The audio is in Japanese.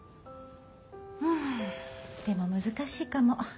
んでも難しいかも。